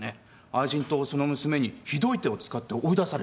愛人とその娘にひどい手を使って追い出されたって。